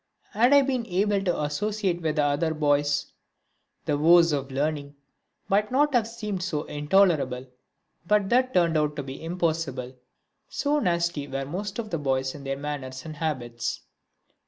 Had I been able to associate with the other boys, the woes of learning might not have seemed so intolerable. But that turned out to be impossible so nasty were most of the boys in their manners and habits.